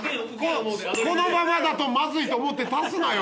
このままだとまずいと思って足すなよ！